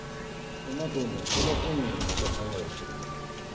麻藤も鼓田本人にネタ考えろって言ってたし。